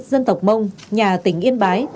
dân tộc mông nhà tỉnh yên bái